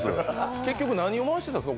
結局何を回してたんですか？